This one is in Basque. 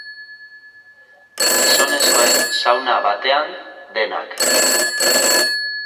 Gizonezkoen sauna batean denak.